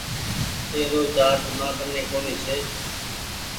ايرو چآرج مآ ڪني ڪونيٚ ڇي۔